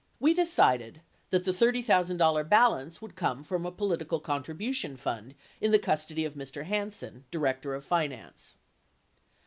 We decided that the $30,000 balance would come from a political contribution fund in the custody of Mr. Hansen, director of finance.